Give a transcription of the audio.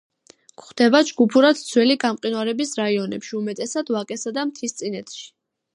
გვხვდება ჯგუფურად ძველი გამყინვარების რაიონებში, უმეტესად ვაკესა და მთისწინეთში.